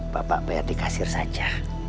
bapak bayar dikasir saja